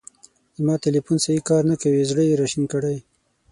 زما تیلیفون سیی کار نه کوی. زړه یې را شین کړی.